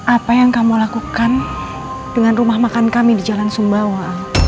apa yang kamu lakukan dengan rumah makan kami di jalan sumbawa